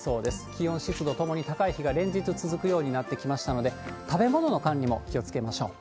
気温、湿度ともに高い日が連日続くようになってきましたので、食べ物の管理も気をつけましょう。